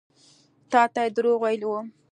تا ته يې دروغ ويلي وو.